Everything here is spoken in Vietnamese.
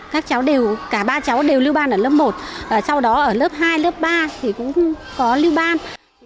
cả ba cháu đều lưu ban ở lớp một sau đó ở lớp hai lớp ba thì cũng có lưu ban